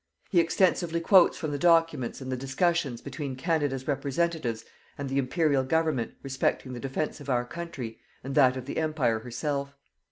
He extensively quotes from the documents and the discussions between Canada's representatives and the Imperial Government, respecting the defence of our country, and that of the Empire herself.